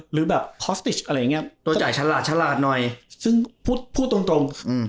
หรือแบบพลาสติกอะไรอย่างเงี้ยตัวจ่ายฉลาดฉลาดหน่อยซึ่งพูดพูดตรงตรงอืม